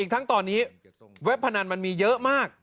ทั้งตอนนี้เว็บพนันมันมีเยอะมาก